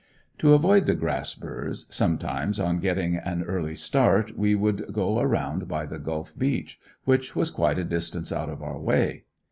To avoid the grassburrs, sometimes on getting an early start we would go around by the Gulf beach which was quite a distance out of our way.